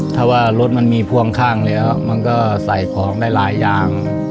ถ้าว่ารถมันมีพ่วงข้างแล้วมันก็ใส่ของได้หลายอย่าง